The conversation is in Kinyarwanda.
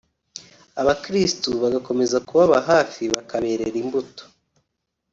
Abakirisitu bagakomeza kubaba hafi bakaberera imbuto